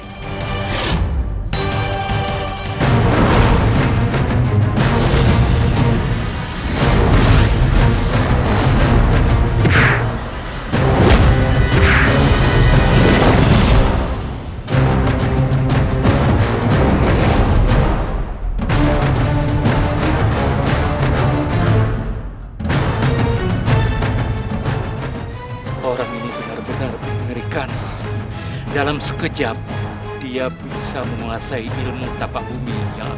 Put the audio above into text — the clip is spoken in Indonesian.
hai orang ini benar benar mengerikan dalam sekejap dia bisa menguasai ilmu tapak bumi yang